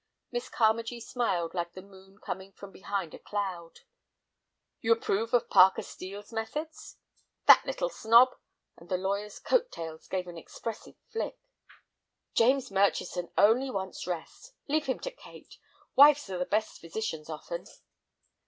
Miss Carmagee smiled like the moon coming from behind a cloud. "You approve of Parker Steel's methods?" "That little snob!" and the lawyer's coat tails gave an expressive flick. "James Murchison only wants rest. Leave him to Kate; wives are the best physicians often."